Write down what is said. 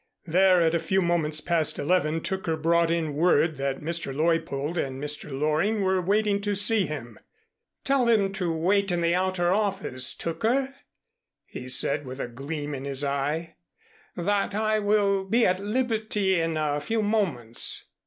There, at a few moments past eleven, Tooker brought in word that Mr. Leuppold and Mr. Loring were waiting to see him. "Tell them to wait in the outer office, Tooker," he said with a gleam in his eye, "that I will be at liberty in a few moments.